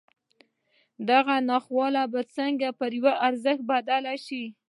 دغه ناخواله به څنګه پر يوه ارزښت بدله شي.